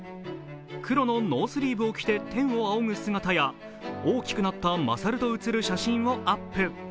黒のノースリーブを着て天を仰ぐ姿や、大きくなったマサルと写る写真をアップ。